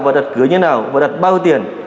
và đặt cửa như thế nào và đặt bao tiền